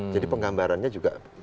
jadi penggambarannya juga tidak jelas